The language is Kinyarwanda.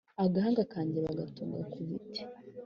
agahanga kanjye bagatunga ku biti